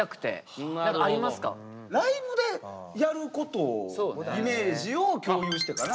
ライブでやることのイメージを共有してかな。